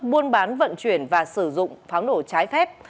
buôn bán vận chuyển và sử dụng pháo nổ trái phép